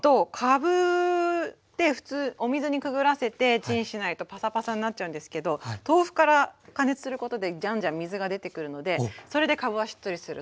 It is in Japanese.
かぶって普通お水にくぐらせてチンしないとパサパサになっちゃうんですけど豆腐から加熱することでじゃんじゃん水が出てくるのでそれでかぶはしっとりすると。